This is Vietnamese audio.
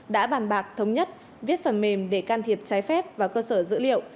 đã bàn bạc thống nhất viết phần mềm để can thiệp trái phép vào cơ sở dữ liệu